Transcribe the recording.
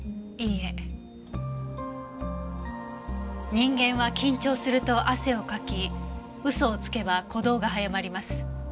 人間は緊張すると汗をかき嘘をつけば鼓動が早まります。